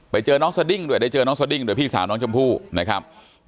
ไปเจอน้องสดิ้งด้วยได้เจอน้องสดิ้งด้วยพี่สาวน้องชมพู่นะครับ